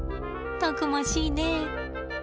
たくましいね。